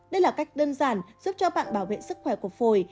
đây là cách đơn giản giúp cho bạn bảo vệ sức khỏe của phổi